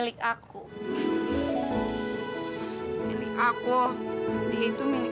bagaimana aku sampai dis tikit muatan